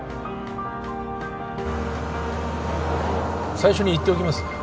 最初に言っておきます